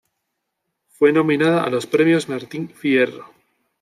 Fue nominada a los Premios Martín Fierro.